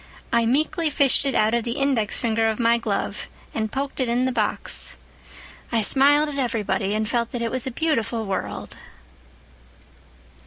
I meekly fished it out of the index finger of my glove and poked it in the box. I smiled at everybody and felt that it was a beautiful world."